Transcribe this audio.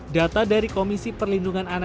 data dari komisi perlindungan anak